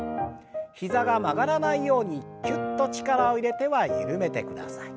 膝が曲がらないようにきゅっと力を入れては緩めてください。